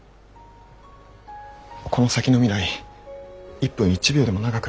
この先の未来一分一秒でも長く。